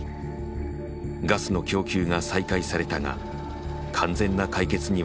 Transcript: ガスの供給が再開されたが完全な解決には至らなかった。